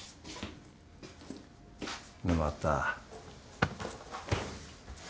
沼田。